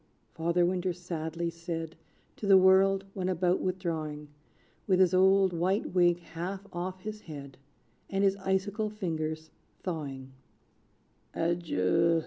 Father Winter sadly said To the world, when about withdrawing, With his old white wig half off his head, And his icicle fingers thawing; "Adieu!